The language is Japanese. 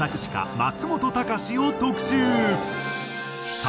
松本隆を特集！